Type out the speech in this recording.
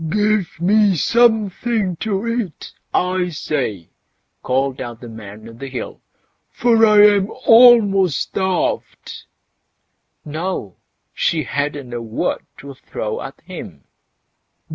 "Give me something to eat, I say!" called out the Man o' the Hill, "for I am almost starved." No! she hadn't a word to throw at him.